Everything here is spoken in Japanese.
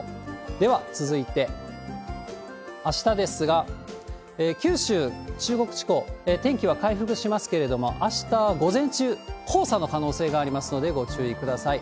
では、続いてあしたですが、九州、中国地方、天気は回復しますけれども、あした午前中、黄砂の可能性がありますので、ご注意ください。